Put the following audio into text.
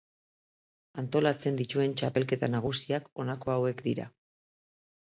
Antolatzen dituen txapelketa nagusiak honako hauek dira.